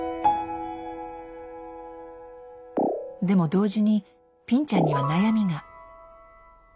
でも同時にぴんちゃんには悩みが。